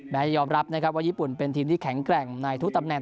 ยอมรับนะครับว่าญี่ปุ่นเป็นทีมที่แข็งแกร่งในทุกตำแหน